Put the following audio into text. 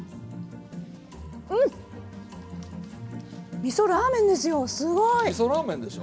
みそラーメンでしょ。